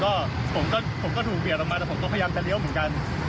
เขาตามหน้าผมได้เสร็จเนี่ยเขาก็เปิดประตูออกมายกนิ้วข้างใส่ผม